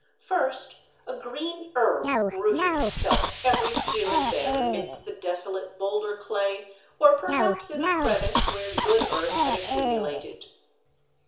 First a green herb rooted itself every here and there amidst the desolate boulder clay or perhaps in a crevice where good earth had accumulated.